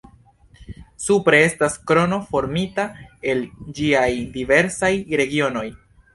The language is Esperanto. Supre estas krono formita el ĝiaj diversaj regionoj.